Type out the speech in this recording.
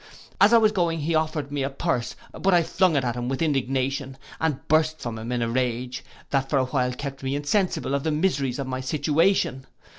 As I was going he offered me a purse; but I flung it at him with indignation, and burst from him in a rage, that for a while kept me insensible of the miseries of my situation.